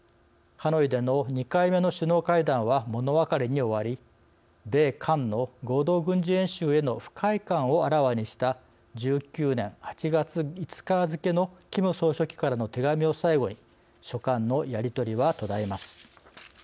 ハノイでの２回目の首脳会談は物別れに終わり米韓の合同軍事演習への不快感をあらわにした１９年８月５日付のキム総書記からの手紙を最後に書簡のやりとりは途絶えます。